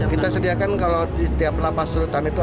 kita sediakan kalau di setiap lapas rutan itu